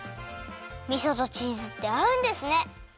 みそとチーズってあうんですね！